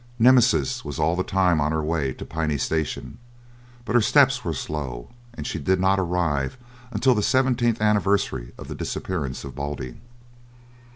Nemesis was all the time on her way to Piney station, but her steps were slow, and she did not arrive until the seventeenth anniversary of the disapppearance of Baldy.